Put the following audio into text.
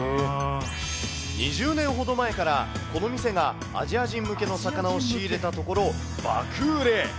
２０年ほど前から、この店がアジア人向けの魚を仕入れたところ、爆売れ。